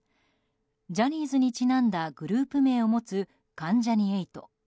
ジャニーズにちなんだグループ名を持つ関ジャニ∞。